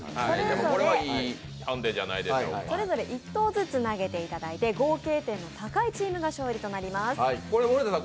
それぞれ１投ずつ投げていただいて合計点の高いチームが勝利となります。